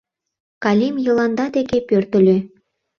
Калим Йыланда деке пӧртыльӧ.